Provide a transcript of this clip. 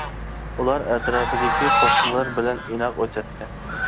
ئۇلار ئەتراپىدىكى قوشنىلار بىلەن ئىناق ئۆتەتتى.